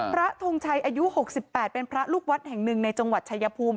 ทงชัยอายุ๖๘เป็นพระลูกวัดแห่งหนึ่งในจังหวัดชายภูมิ